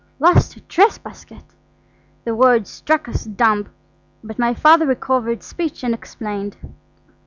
Lost a dress basket! The words struck us dumb, but my father recovered speech and explained.